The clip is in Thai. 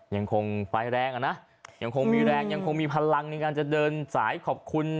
ยังคงไปแรงอ่ะนะยังคงมีแรงยังคงมีพลังในการจะเดินสายขอบคุณ